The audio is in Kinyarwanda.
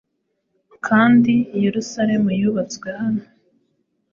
Kandi Yerusalemu yubatswe hano,